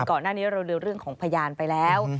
ก่อนหน้านี้เราดูเรื่องของพยานไปแล้ว